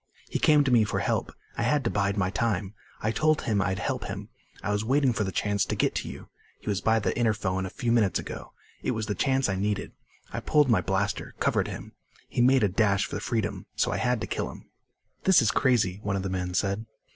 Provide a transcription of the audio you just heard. "He came to me for help. I had to bide my time. I told him I'd help him. I was waiting for the chance to get to you. He was by the interphone a few minutes ago. It was the chance I needed. I pulled my blaster, covered him. He made a dash for freedom so I had to kill him." "This is crazy," one of the men said.